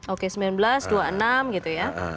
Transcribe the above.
oke sembilan belas dua puluh enam gitu ya